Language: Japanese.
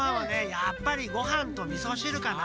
やっぱりごはんとみそしるかな。